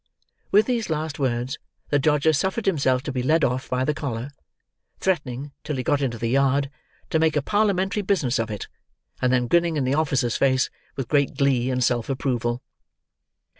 With these last words, the Dodger suffered himself to be led off by the collar; threatening, till he got into the yard, to make a parliamentary business of it; and then grinning in the officer's face, with great glee and self approval.